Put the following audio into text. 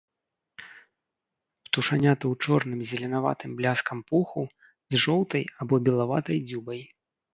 Птушаняты ў чорным з зеленаватым бляскам пуху, з жоўтай або белаватай дзюбай.